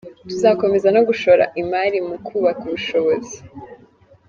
Tuzakomeza no gushora imari mu kubaka ubushobozi.